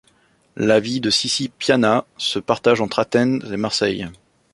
La vie de Sissy Piana se partage entre Athènes et Marseille.